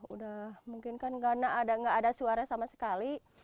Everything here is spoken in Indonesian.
udah mungkin kan gak ada nggak ada suara sama sekali